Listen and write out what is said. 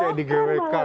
kayak di gwk ya